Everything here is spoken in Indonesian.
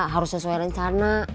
harus sesuai rencana